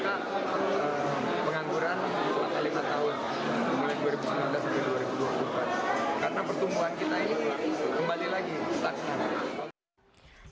karena pertumbuhan kita ini kembali lagi